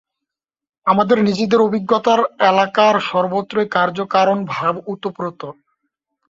আমাদের নিজেদের অভিজ্ঞতার এলাকার সর্বত্রই কার্য-কারণ-ভাব ওতপ্রোত।